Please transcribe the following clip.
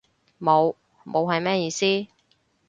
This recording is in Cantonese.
冇？冇係咩意思？